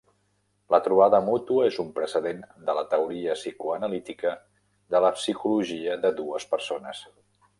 La trobada mútua és un precedent de la teoria psicoanalítica de la psicologia de dues persones.